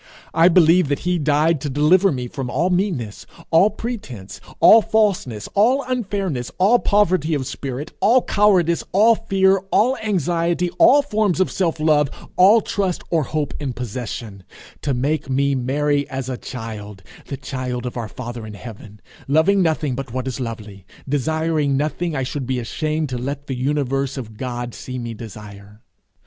I believe that he died to deliver me from all meanness, all pretence, all falseness, all unfairness, all poverty of spirit, all cowardice, all fear, all anxiety, all forms of self love, all trust or hope in possession; to make me merry as a child, the child of our father in heaven, loving nothing but what is lovely, desiring nothing I should be ashamed to let the universe of God see me desire.